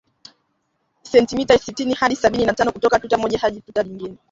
sentimita sitini hadi sabini na tano kutoka tuta moja hadi tuta lingine